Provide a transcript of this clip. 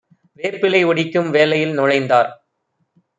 வேப்பிலை ஒடிக்கும் வேலையில் நுழைந்தார்.